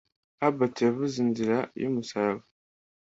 albert wavuze inzira y umusaraba